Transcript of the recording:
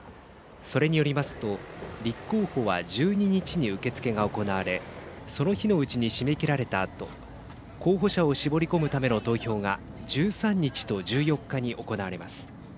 それによりますと立候補は１２日に受け付けが行われその日のうちに締め切られたあと候補者を絞り込むための投票が１３日と１４日に行われます。